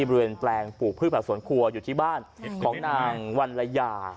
บริเวณแปลงปลูกพืชผักสวนครัวอยู่ที่บ้านของนางวันละยา